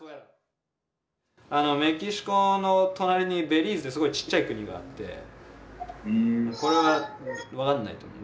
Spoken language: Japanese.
メキシコの隣にベリーズってすごいちっちゃい国があってこれは分かんないと思う。